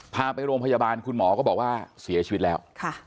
พาไปโรงพยาบาลคุณหมอก็บอกว่าเสียชีวิตแล้ว